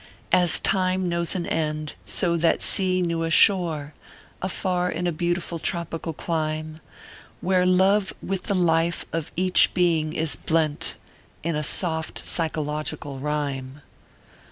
And as Time knows an end, so that sea knew a shore, Afar in a beautiful, tropical clime, Where Love with the Lifo of each being is blent, In a soft, psychological Rhyme.